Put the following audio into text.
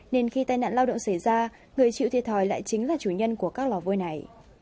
nên khi tai nạn lao động xảy ra người chịu thiệt thòi lại chính là chủ nhân của các lò vôi này